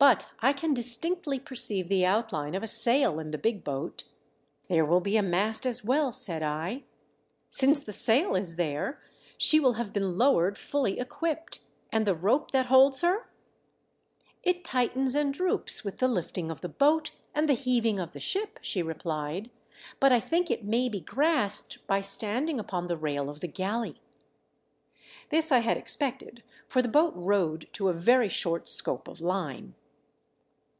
But I can distinctly perceive the outline of a sail in the big boat." "There will be a mast as well," said I. " Since the sail is there she will have been lowered fully equipped. And the rope that holds her ?" "It tightens and droops with the lifting of the boat and the heaving of the ship," she replied. *' But I think it may be grasped by standing upon the rail of the galley." This I had expected, for the boat rode to a very short scope of line.